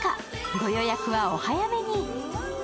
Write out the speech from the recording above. ご予約はお早めに。